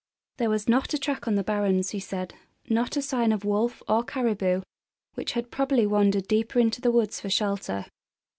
There was not a track on the barrens, he said; not a sign of wolf or caribou, which had probably wandered deeper into the woods for shelter.